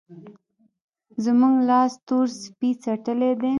زموږ لاس تور سپی څټلی دی.